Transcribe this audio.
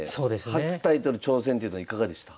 初タイトル挑戦というのはいかがでした？